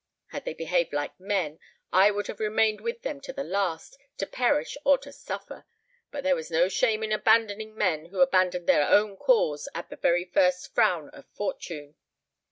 Had they behaved like men, I would have remained with them to the last, to perish or to suffer; but there was no shame in abandoning men who abandoned their own cause at the very first frown of fortune.